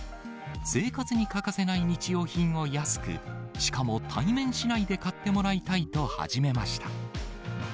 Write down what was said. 生活に欠かせない日用品を安く、しかも対面しないで買ってもらいたいと始めました。